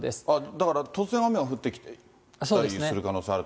だから、突然雨が降ってきたりする可能性があると。